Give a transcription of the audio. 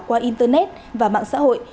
qua internet và mạng xã hội